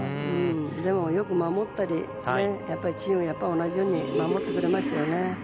でもよく守ったりチームジャパンをよく守ってくれましたよね。